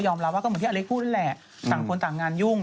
อุ๊ยอร่องกับเมียก็ต่างกันตั้ง๒๐๓๐ปี